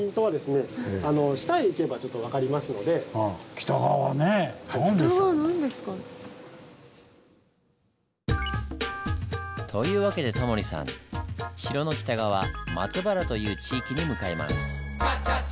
北側何ですか？というわけでタモリさん城の北側松原という地域に向かいます。